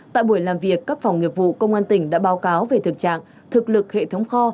tại buổi làm việc các phòng nghiệp vụ công an tỉnh đã báo cáo về thực trạng thực lực hệ thống kho